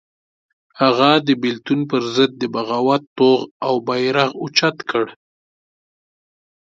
هغه د بېلتون پر ضد د بغاوت توغ او بېرغ اوچت کړ.